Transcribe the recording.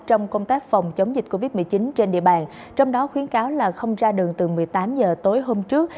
trong công tác phòng chống dịch covid một mươi chín trên địa bàn trong đó khuyến cáo là không ra đường từ một mươi tám h tối hôm trước